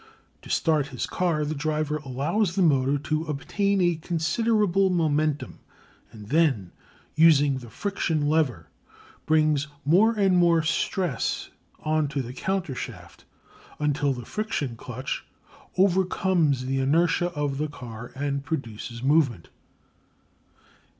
To start his car the driver allows the motor to obtain a considerable momentum, and then, using the friction lever, brings more and more stress on to the countershaft until the friction clutch overcomes the inertia of the car and produces movement.